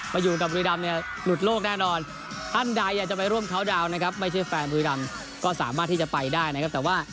ในช่วงไปเราจากนี้มาซักดิ้ง